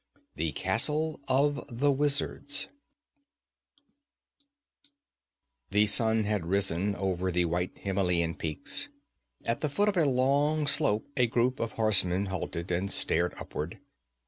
9 The Castle of the Wizards The sun had risen over the white Himelian peaks. At the foot of a long slope a group of horsemen halted and stared upward.